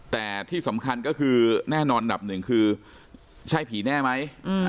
แต่ที่สำคัญก็คือแน่นอนอันดับหนึ่งคือใช่ผีแน่ไหม